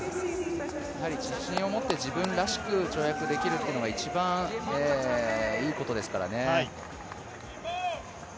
自信を持って自分らしく跳躍できるのが一番、いいことですからね。